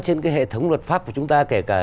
trên cái hệ thống luật pháp của chúng ta kể cả